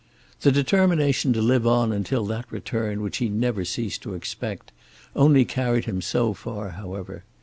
The determination to live on until that return which he never ceased to expect only carried him so far, however.